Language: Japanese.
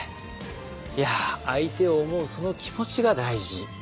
いや相手を思うその気持ちが大事。